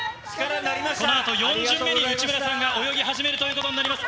このあと４巡目に内村さんが泳ぎ始めるということになります。